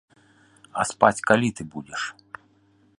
А спаць калі ты будзеш?